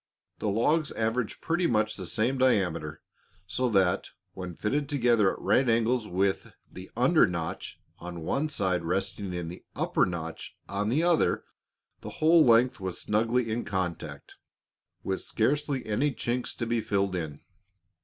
The logs averaged pretty much the same diameter, so that, when fitted together at right angles with the under notch on one side resting in the upper notch on the other, the whole length was snugly in contact, with scarcely any chinks to be filled in.